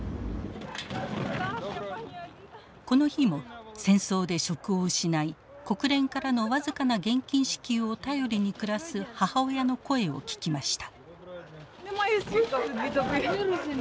この日も戦争で職を失い国連からの僅かな現金支給を頼りに暮らす母親の声を聞きました。